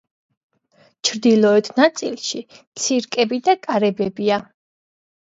ჩრდილოეთ ნაწილში ცირკები და კარებია.